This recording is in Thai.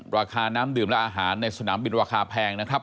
ราคาน้ำดื่มและอาหารในสนามบินราคาแพงนะครับ